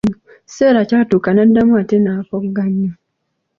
Ekiseera kyatuuka n'addamu atte n'akogga nnyo.